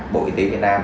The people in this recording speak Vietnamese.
bộ y tế việt nam